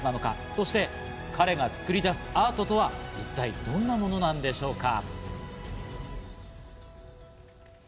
そして彼が作り出すアートとは、一体どんなものなんでしょうか？